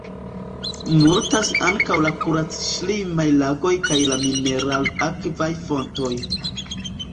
Multas ankaŭ la kurac-ŝlimaj lagoj kaj mineral-akvaj fontoj.